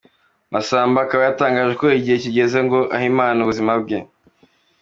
Masamba akaba yatangaje ko igihe kigeze ngo ahe Imana ubuzima bwe.